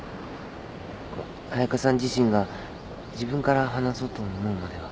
彩佳さん自身が自分から話そうと思うまでは。